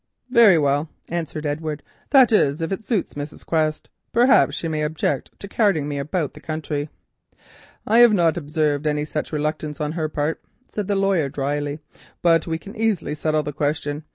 "Very well," answered Edward, "that is if it suits Mrs. Quest. Perhaps she may object to carting me about the country." "I have not observed any such reluctance on her part," said the lawyer dryly, "but we can easily settle the question.